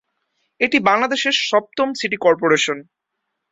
এটি বাংলাদেশের সপ্তম সিটি কর্পোরেশন।